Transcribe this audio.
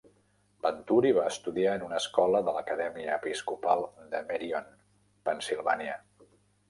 Venturi va estudiar en una escola de l'Acadèmia Episcopal de Merion, Pennsilvània.